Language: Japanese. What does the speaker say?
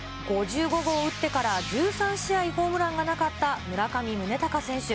５５号を打ってから、１３試合ホームランがなかった村上宗隆選手。